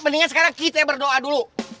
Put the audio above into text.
mendingan sekarang kita berdoa dulu